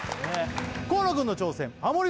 河野くんの挑戦ハモリ